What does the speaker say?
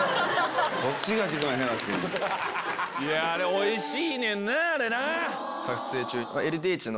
おいしいねんなあれな。